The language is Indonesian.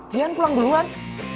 jihan pulang duluan